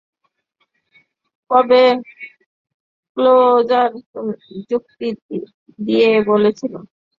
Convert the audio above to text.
তবেক্লোজার যুক্তি দিয়ে বলেছিল, সংবাদমূল্য থাকার কারণেই ছবিগুলো প্রকাশ করা হয়।